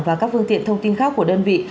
và các phương tiện thông tin khác của đơn vị